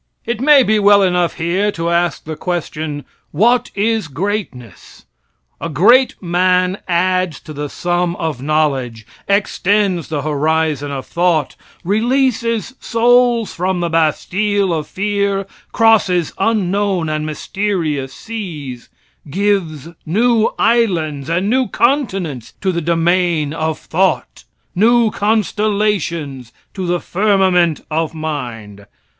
It may be well enough here to ask the question: "What is greatness?" A great man adds to the sum of knowledge, extends the horizon of thought, releases souls from the Bastille of fear, crosses unknown and mysterious seas, gives new islands and new continents to the domain of thought, new constellations to the firmament of mind.